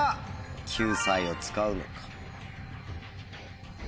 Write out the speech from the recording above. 救済を使うのか？